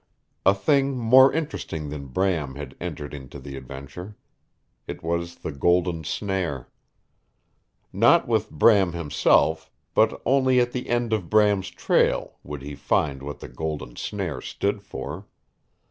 A thing more interesting than Bram had entered into the adventure. It was the golden snare. Not with Bram himself, but only at the end of Bram's trail, would he find what the golden snare stood for.